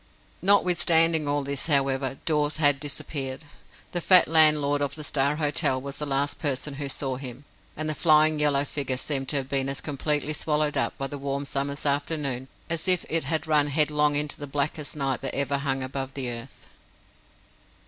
Notwithstanding all this, however, Dawes had disappeared. The fat landlord of the Star Hotel was the last person who saw him, and the flying yellow figure seemed to have been as completely swallowed up by the warm summer's afternoon as if it had run headlong into the blackest night that ever hung above the earth.